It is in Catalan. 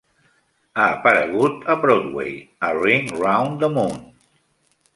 Ha aparegut a Broadway a "Ring Round the Moon".